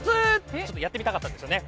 ちょっとやってみたかったんですよね。